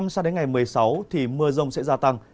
sang đến ngày một mươi sáu thì mưa rông sẽ gia tăng